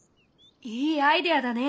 いいアイデアだね！